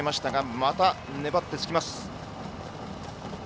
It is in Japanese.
まだ粘って、つきます。